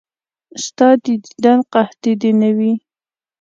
ستا د دیدن قحطي دې نه وي.